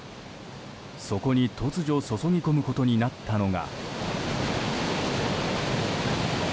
そこに突如注ぎ込むことになったのが。